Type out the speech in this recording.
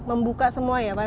membuka semua ya pak